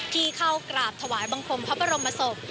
ที่เข้ากราบถวายบังคมพระบรมศพ